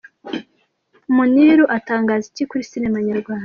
Muniru atangaza iki kuri sinema nyarwanda?.